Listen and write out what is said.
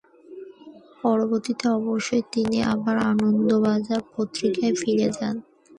পরবর্তীতে অবশ্য তিনি আবার 'আনন্দবাজার পত্রিকা'য় ফিরে যান।